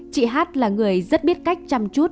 chị h là người rất biết cách chăm chút